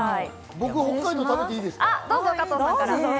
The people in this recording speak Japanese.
僕、北海道、食べていいですか？